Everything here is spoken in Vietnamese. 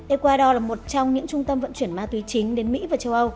ecuador là một trong những trung tâm vận chuyển ma túy chính đến mỹ và châu âu